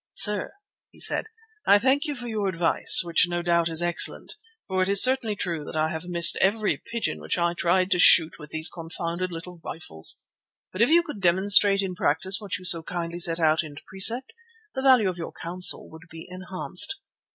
"Sir," he said, "I thank you for your advice, which no doubt is excellent, for it is certainly true that I have missed every pigeon which I tried to shoot with these confounded little rifles. But if you could demonstrate in practice what you so kindly set out in precept, the value of your counsel would be enhanced."